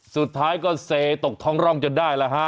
สุดท้ายก็เซตกท้องร่องจนได้แล้วฮะ